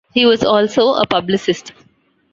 He was also a publicist.